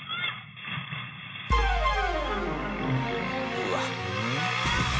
うわっ。